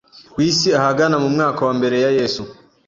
ku isi ahagana mu mwaka wa mbere ya Yesu.